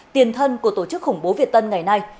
tiền thân của tổ chức khủng bố việt tân ngày nay